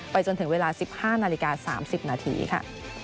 จนถึงเวลา๑๕นาฬิกา๓๐นาทีค่ะ